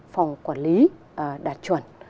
phòng quản lý đạt chuẩn